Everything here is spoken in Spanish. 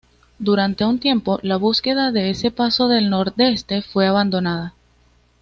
Durante un tiempo la búsqueda de ese paso del Noroeste fue abandonada.